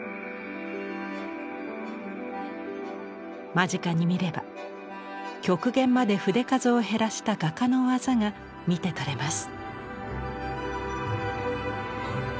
間近に見れば極限まで筆数を減らした画家の技が見て取れます。